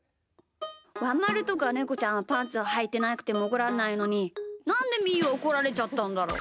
ワンまるとかネコちゃんはパンツをはいてなくてもおこられないのに、なんでみーはおこられちゃったんだろう？